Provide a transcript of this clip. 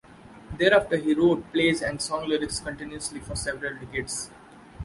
Thereafter he wrote plays and song lyrics continuously for several decades.